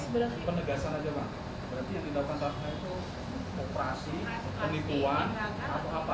bang penegasan aja bang berarti yang tidak pantasnya itu operasi penipuan